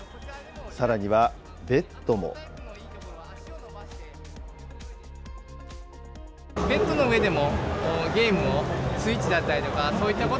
さらにはベッドも。